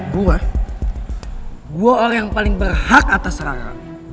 gue gue orang yang paling berhak atas rara